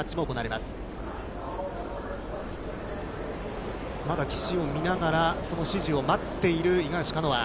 まだ岸を見ながら、その指示を待っている五十嵐カノア。